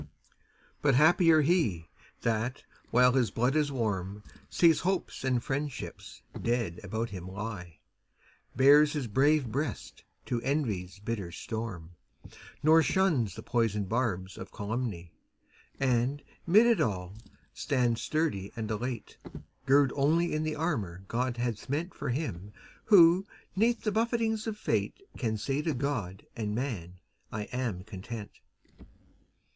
But happier he, that, while his blood is warm, See hopes and friendships dead about him lie Bares his brave breast to envy's bitter storm, Nor shuns the poison barbs of calumny; And 'mid it all, stands sturdy and elate, Girt only in the armor God hath meant For him who 'neath the buffetings of fate Can say to God and man: "I am content."